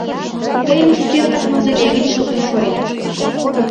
Тыйым шукертак Мавзолей гыч луктын шуэныт.